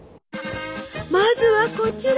まずはこちら。